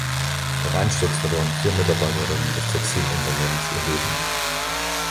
Beim Einsturz verloren vier Mitarbeiterinnen des Textilunternehmens ihr Leben.